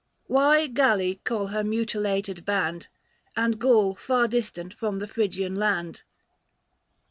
" Why Galli call her mutilated band, And Gaul far distant from the Phrygian land